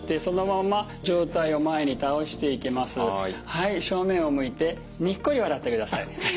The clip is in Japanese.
はい正面を向いてにっこり笑ってください。